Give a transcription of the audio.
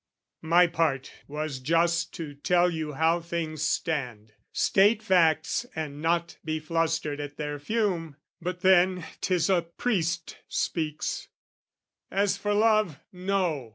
My part was just to tell you how things stand, State facts and not be flustered at their fume. But then 'tis a priest speaks: as for love, no!